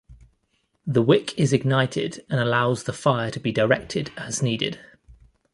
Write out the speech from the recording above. The wick is ignited and allows the fire to be directed as needed.